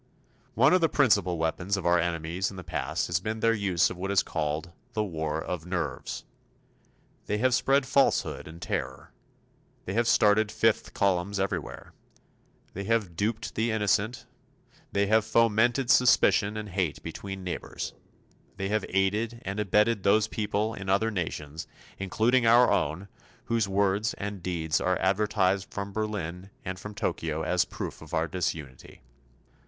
One of the principal weapons of our enemies in the past has been their use of what is called "The War of Nerves." They have spread falsehood and terror; they have started Fifth Columns everywhere; they have duped the innocent; they have fomented suspicion and hate between neighbors; they have aided and abetted those people in other nations including our own whose words and deeds are advertised from Berlin and from Tokyo as proof of our disunity.